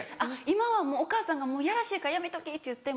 今はお母さんが「いやらしいからやめとき」って言って。